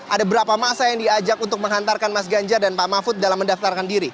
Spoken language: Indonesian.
ada berapa masa yang diajak untuk menghantarkan mas ganjar dan pak mahfud dalam mendaftarkan diri